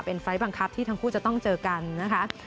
เป็นไฟล์บังคับที่ทั้งคู่จะต้องเจอกันนะคะ